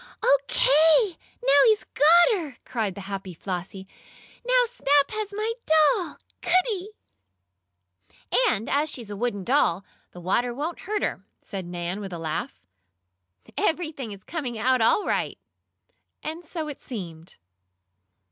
"OK, now he's got her!" cried the happy Flossie. "Now Snap has my doll. Goodie!" "And, as she's a wooden doll, the water won't hurt her," said Nan, with a laugh, "Everything is coming out all right." And so it seemed.